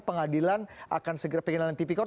pengadilan pengadilan tp kor